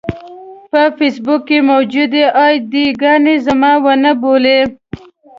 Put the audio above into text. په فېسبوک کې موجودې اې ډي ګانې زما ونه بولي.